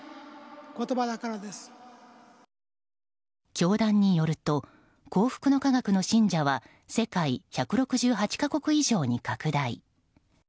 教団によると幸福の科学の信者は世界１６８か国以上に拡大。